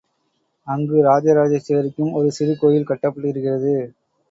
அங்கு ராஜராஜேஸ்வரிக்கும் ஒரு சிறு கோயில் கட்டப்பட்டிருக்கிறது.